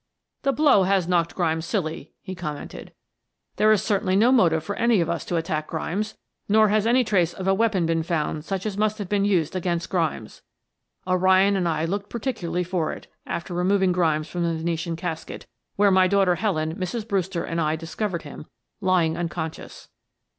"The blow has knocked Grimes silly," he commented. "There is certainly no motive for any of us to attack Grimes, nor has any trace of a weapon been found such as must have been used against Grimes. O'Ryan and I looked particularly for it, after removing Grimes from the Venetian casket, where my daughter Helen, Mrs. Brewster and I discovered him lying unconscious."